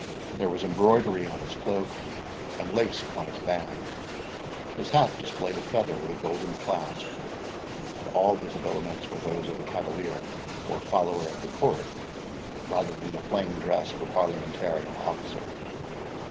There was embroidery on his cloak, and lace upon his band; his hat displayed a feather with a golden clasp, and all his habiliments were those of a cavalier, or follower of the court, rather than the plain dress of a parliamentarian officer.